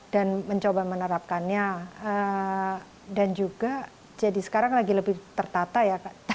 dan mencoba menerapkannya dan juga jadi sekarang lagi lebih tertata ya